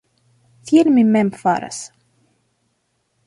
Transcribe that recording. Tiel mi mem faras.